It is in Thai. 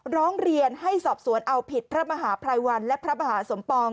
ร้องเรียนให้สอบสวนเอาผิดพระมหาภัยวันและพระมหาสมปอง